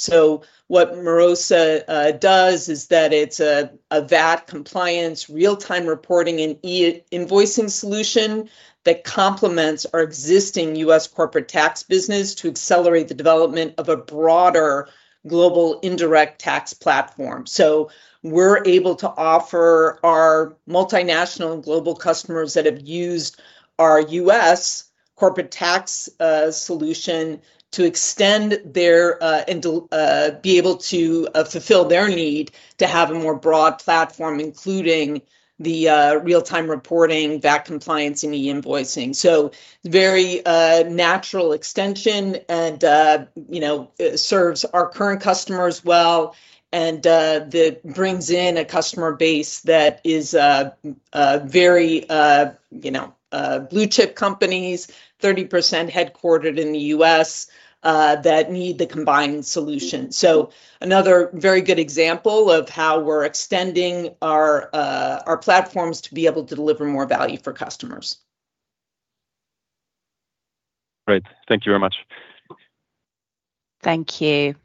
What Marosa does is that it's a VAT compliance real-time reporting and e-invoicing solution that complements our existing U.S. corporate tax business to accelerate the development of a broader global indirect tax platform. We're able to offer our multinational and global customers that have used our U.S. corporate tax solution to be able to fulfill their need to have a more broad platform, including the real-time reporting, VAT compliance, and e-invoicing. Very natural extension, and it serves our current customers well and brings in a customer base that is very blue-chip companies, 30% headquartered in the U.S., that need the combined solution. Another very good example of how we're extending our platforms to be able to deliver more value for customers. Great. Thank you very much. Thank you.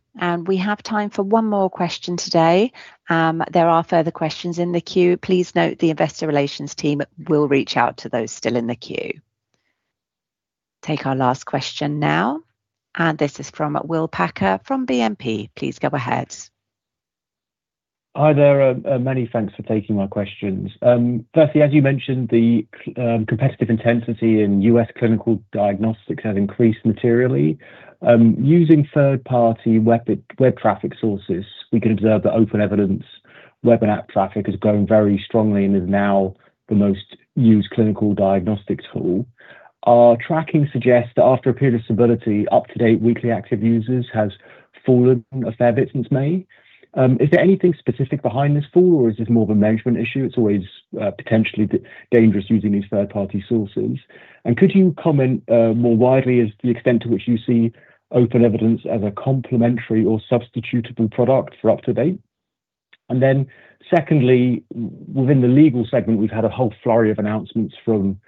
We have time for one more question today. There are further questions in the queue. Please note the investor relations team will reach out to those still in the queue. Take our last question now. This is from Will Packer from BNP. Please go ahead. Hi there. Many thanks for taking my questions. Firstly, as you mentioned, the competitive intensity in U.S. clinical diagnostics has increased materially. Using third-party web traffic sources, we can observe that OpenEvidence web and app traffic has grown very strongly and is now the most used clinical diagnostics tool. Our tracking suggests that after a period of stability, UpToDate weekly active users has fallen a fair bit since May. Is there anything specific behind this fall, or is this more of a management issue? It's always potentially dangerous using these third-party sources. Could you comment more widely as to the extent to which you see OpenEvidence as a complementary or substitutable product for UpToDate? Secondly, within the legal segment, we've had a whole flurry of announcements from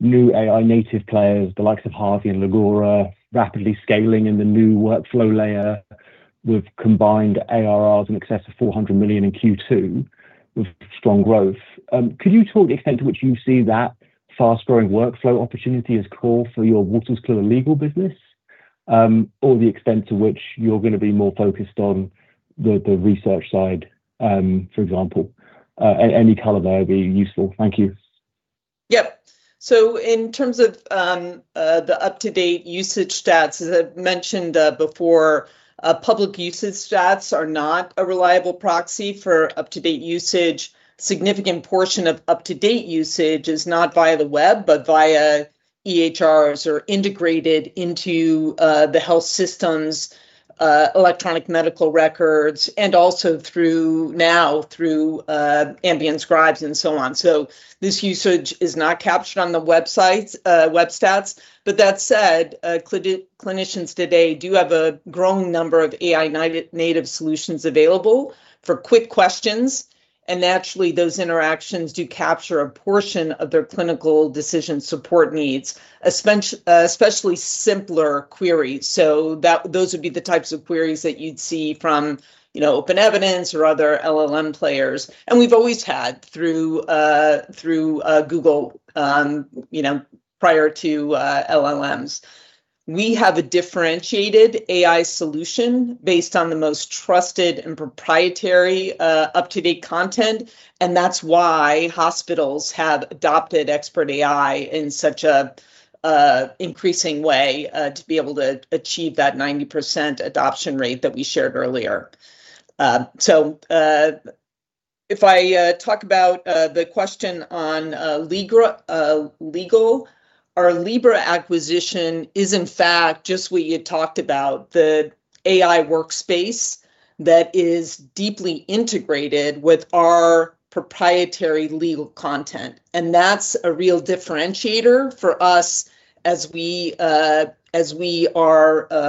new AI native players, the likes of Harvey and Legora, rapidly scaling in the new workflow layer with combined ARRs in excess of 400 million in Q2 with strong growth. Could you talk the extent to which you see that fast-growing workflow opportunity as core for your Wolters Kluwer Legal business? Or the extent to which you're going to be more focused on the research side, for example? Any color there would be useful. Thank you. Yep. In terms of the UpToDate usage stats, as I mentioned before, public usage stats are not a reliable proxy for UpToDate usage. Significant portion of UpToDate usage is not via the web, but via EHRs or integrated into the health system's electronic medical records, and also now through ambient scribes and so on. This usage is not captured on the web stats. That said, clinicians today do have a growing number of AI native solutions available for quick questions, and naturally, those interactions do capture a portion of their clinical decision support needs, especially simpler queries. Those would be the types of queries that you'd see from OpenEvidence or other LLM players. We've always had through Google, prior to LLMs. We have a differentiated AI solution based on the most trusted and proprietary UpToDate content, and that's why hospitals have adopted Expert AI in such an increasing way to be able to achieve that 90% adoption rate that we shared earlier. If I talk about the question on legal, our Libra acquisition is in fact just what you talked about, the AI workspace that is deeply integrated with our proprietary legal content. That's a real differentiator for us as we are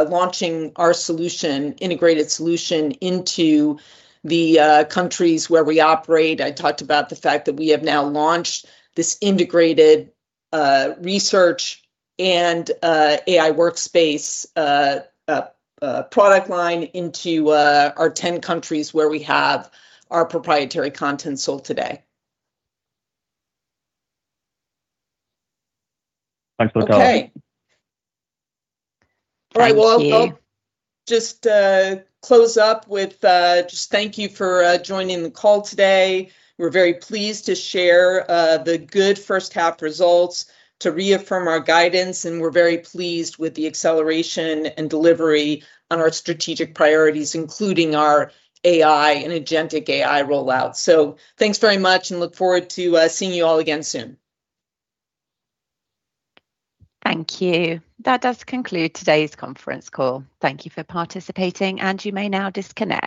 launching our integrated solution into the countries where we operate. I talked about the fact that we have now launched this integrated research and AI workspace product line into our 10 countries where we have our proprietary content sold today. Thanks for that. Okay. Thank you. All right, well, I'll just close up with thank you for joining the call today. We're very pleased to share the good first half results, to reaffirm our guidance, and we're very pleased with the acceleration and delivery on our strategic priorities, including our AI and agentic AI rollout. Thanks very much, and look forward to seeing you all again soon. Thank you. That does conclude today's conference call. Thank you for participating, and you may now disconnect.